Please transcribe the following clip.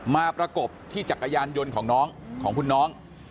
ประกบที่จักรยานยนต์ของน้องของคุณน้อง